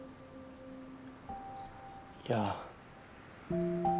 いや。